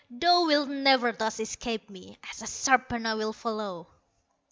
"Thou wilt never thus escape me, As a serpent I will follow."